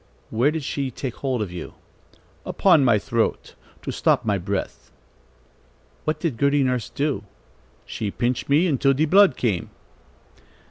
"Where did she take hold of you?" "Upon my throat, to stop my breath." "What did this Goody Nurse do?" "She pinch me until de blood came."